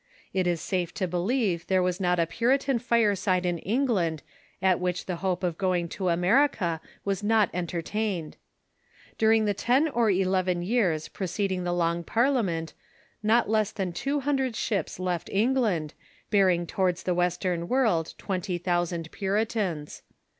It is safe to be lieve there was not a Puritan fireside in England at which the hope of going to America was not entertained. During the ten or eleven years preceding the Long Parliament not less than two hundred ships left England, bearing towards the western world twenty thousand Puritans.